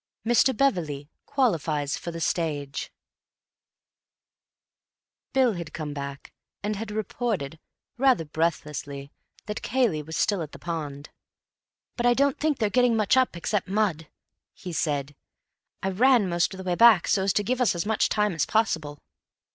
Mr. Beverley Qualifies for the Stage Bill had come back, and had reported, rather breathless, that Cayley was still at the pond. "But I don't think they're getting up much except mud," he said. "I ran most of the way back so as to give us as much time as possible."